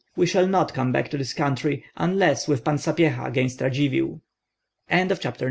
We shall not come back to this country, unless with Pan Sapyeha against Radzivill." CHAPTER XX.